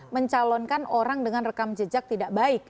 mencalonkan orang dengan rekam jejak tidak baik